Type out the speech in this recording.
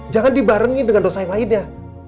jangan dibarengi dengan dosa yang lainnya